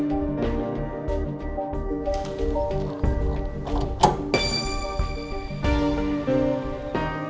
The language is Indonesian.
ulang tahun mama